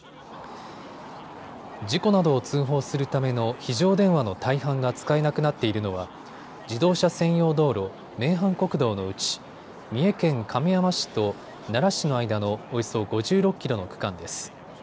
事故などを通報するための非常電話の大半が使えなくなっているのは自動車専用道路、名阪国道のうち、三重県亀山市と奈良市の間のおよそ５６キロの区間です。